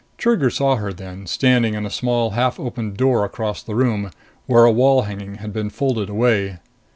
Trigger saw her then, standing in a small half opened door across the room, where a wall hanging had been folded away.